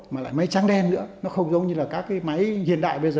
mà lại máy trắng đen nữa nó không giống như là các cái máy hiện đại bây giờ